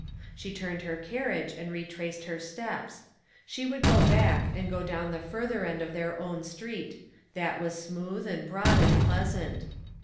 She turned her carriage and retraced her steps. She would go back and go down the further end of their own street — that was smooth and broad and pleasant.